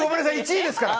１位ですから！